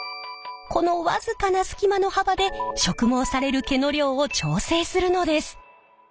この僅かな隙間の幅で植毛される毛の量を調整するのです。